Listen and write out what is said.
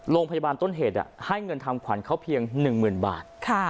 โรงพยาบาลต้นเหตุให้เงินทำขวัญเขาเพียง๑๐๐๐บาท